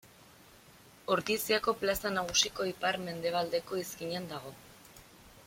Ordiziako plaza nagusiko ipar-mendebaldeko izkinan dago.